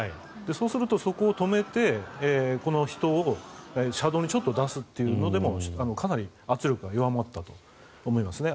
そうするとそこを止めて人を車道にちょっと出すというのでもかなり圧力は弱まったと思いますね。